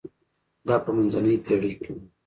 دا په منځنۍ پېړۍ کې و.